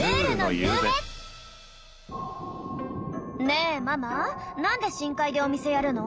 ねママなんで深海でお店やるの？